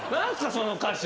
その歌詞。